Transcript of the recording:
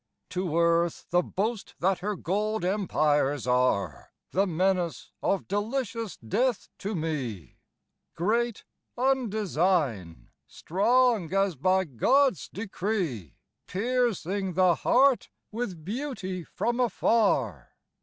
To earth the boast that her gold empires are, The menace of delicious death to me, Great Undesign, strong as by God's decree, Piercing the heart with beauty from afar!